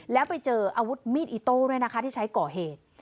แล้วไปเจออาวุธมีดอิโต้ด้วยนะคะที่ใช้ก่อเหตุ